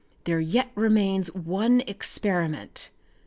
There yet remains one experiment.